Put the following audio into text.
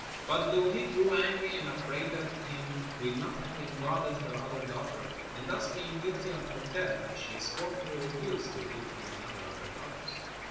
But Louhi grew angry and upbraided him with not having guarded her other daughter, and thus being guilty of her death, and she scornfully refused to give him another of her daughters.